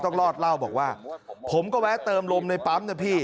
ต้องรอดเล่าบอกว่าผมก็แวะเติมลมในปั๊มนะพี่